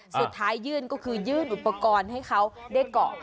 ยื่นก็คือยื่นอุปกรณ์ให้เขาได้เกาะ